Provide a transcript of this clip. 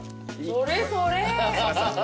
それそれ。